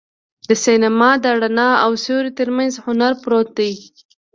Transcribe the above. د سینما د رڼا او سیوري تر منځ هنر پروت دی.